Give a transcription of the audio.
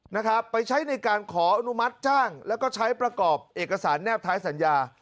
นะครับไปใช้ในการขออนุมัติจ้างแล้วก็ใช้ประกอบเอกสารแนบท้ายสัญญา